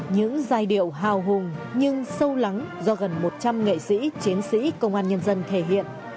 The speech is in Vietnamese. những giai điệu hào hùng nhưng sâu lắng do gần một trăm linh nghệ sĩ chiến sĩ công an nhân dân thể hiện